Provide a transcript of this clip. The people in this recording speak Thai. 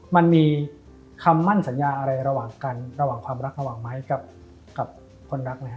มันมีคำมั่นสัญญาอะไรระหว่างกันระหว่างความรักระหว่างไม้กับคนรักไหมฮ